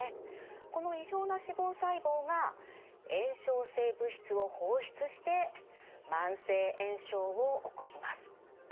この異常な脂肪細胞が炎症性物質を放出して慢性炎症を起こします。